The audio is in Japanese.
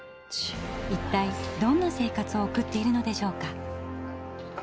一体どんな生活を送っているのでしょうか？